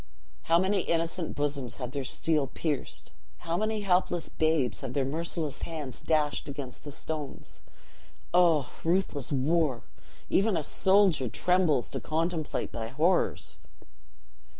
How many innocent bosoms have their steel pierced! How many helpless babes have their merciless hands dashed against the stones! Oh, ruthless war! even a soldier trembles to contemplate thy horrors."